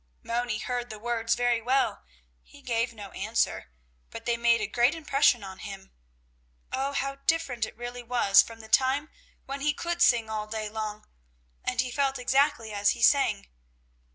Moni heard the words very well; he gave no answer, but they made a great impression on him. Oh, how different it really was from the time when he could sing all day long and he felt exactly as he sang.